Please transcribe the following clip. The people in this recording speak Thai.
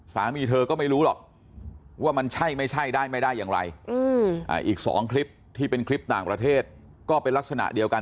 สามีเธอก็ไม่รู้หรอกว่ามันใช่ไม่ใช่ได้ไม่ได้อย่างไรอีก๒คลิปที่เป็นคลิปต่างประเทศก็เป็นลักษณะเดียวกัน